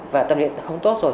và tâm lý không tốt rồi